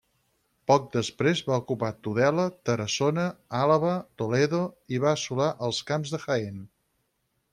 Poc després va ocupar Tudela, Tarassona, Àlaba, Toledo i va assolar els camps de Jaén.